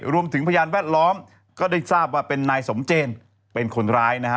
พยานแวดล้อมก็ได้ทราบว่าเป็นนายสมเจนเป็นคนร้ายนะฮะ